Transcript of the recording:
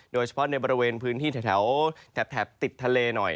โดยเฉพาะในบริเวณพื้นที่แถวแถบติดทะเลหน่อย